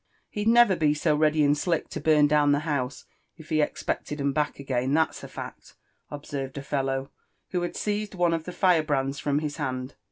" He'd never be so ready and slick to burn down the boose if he expected 'em back again, that's a fact," observed a fellow Who had seized one of the firebrands from his hand.